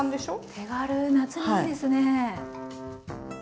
手軽夏にいいですね。